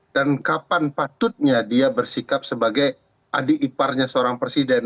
dan kapan patutnya dia bersikap sebagai adik iparnya seorang presiden